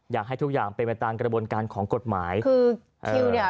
อยากให้ทุกอย่างเป็นไปตามกระบวนการของกฎหมายคือคิวเนี่ย